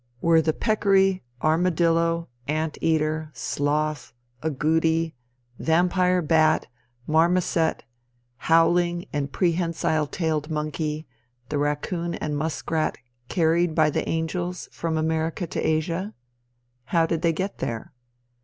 Were the peccary, armadillo, ant eater, sloth, agouti, vampire bat, marmoset, howling and prehensile tailed monkey, the raccoon and muskrat carried by the angels from America to Asia? How did they get there?